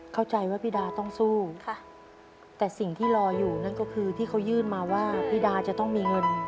เข้าใจว่าพี่ดาต้องสู้แต่สิ่งที่รออยู่นั่นก็คือที่เขายื่นมาว่าพี่ดาจะต้องมีเงิน